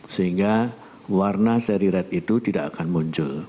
sehingga warna seri red itu tidak akan muncul